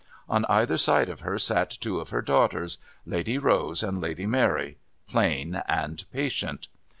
On either side of her sat two of her daughters, Lady Rose and Lady Mary, plain and patient.